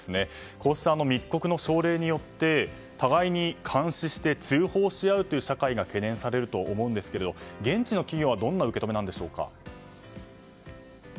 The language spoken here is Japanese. こうした密告の奨励によって互いに監視して通報し合うという社会が懸念されると思うんですが現地の企業はどんな受け止めなんでしょうか。